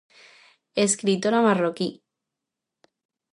Escritora marroquí.